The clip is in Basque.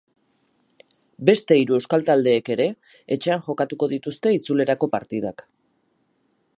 Beste hiru euskal taldeek ere etxean jokatuko dituzte itzulerako partidak.